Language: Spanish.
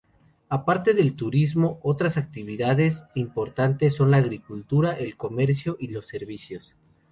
Aparte del turismo otras actividades importantes son la agricultura, el comercio y los servicios.